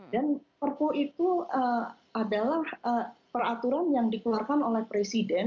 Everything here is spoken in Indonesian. dan perpu itu adalah peraturan yang dikeluarkan oleh presiden